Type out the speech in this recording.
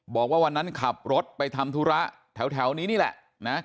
บอกว่าวันนั้นขับรถไปทำธุระแถวนี้นี่แหละนะ